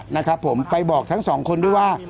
นะครับผมไปบอกทั้งสองคนด้วยว่า